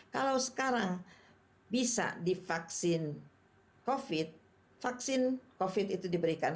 kalau sekarang bisa divaksin covid sembilan belas vaksin covid sembilan belas itu diberikan